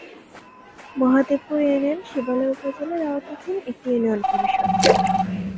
Mahadevpur union Shibalaya উপজেলার আওতাধীন একটি ইউনিয়ন পরিষদ।